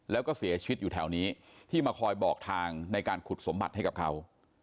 แล้วก็เสียชีวิตอยู่แถวนี้ที่มาคอยบอกทางในการขุดสมบัติให้กับเขา